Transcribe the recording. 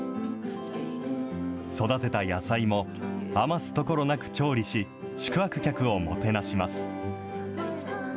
育てた野菜も余すところなく調理し、宿泊客をもてなします。